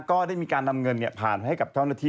ก็ได้มีการนำเงินผ่านให้กับเจ้าหน้าที่